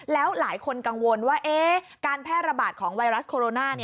แล้วหลายคนกังวลว่าการแพร่ระบาดของไวรัสโคโรนา